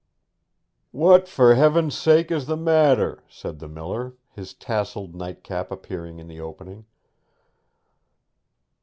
'What, for heaven's sake, is the matter?' said the miller, his tasselled nightcap appearing in the opening.